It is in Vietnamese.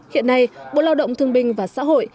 hiện nay bộ lao động thương minh và sở hội